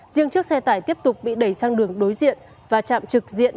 riêng chiếc xe tải tiếp tục bị đẩy sang đường đối diện và chạm trực diện